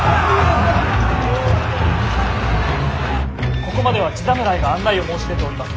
ここまでは地侍が案内を申し出ておりまする。